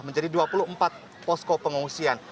menjadi dua puluh empat posko pengungsian